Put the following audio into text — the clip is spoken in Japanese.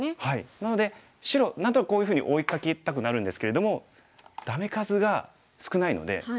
なので白何となくこういうふうに追いかけたくなるんですけれどもダメ数が少ないのでもう今２手しかない。